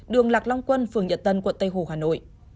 đường lạc long quân phường nhật tân quận tây hồ hà nội